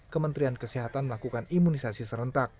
kementerian kesehatan melakukan imunisasi serentak